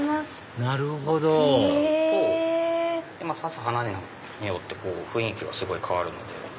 挿す花によって雰囲気がすごい変わるので。